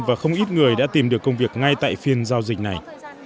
và không ít người đã tìm được công việc ngay tại phiên giao dịch này